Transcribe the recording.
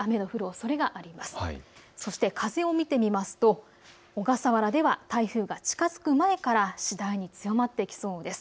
そして風を見てみますと小笠原では台風が近づく前から次第に強まってきそうです。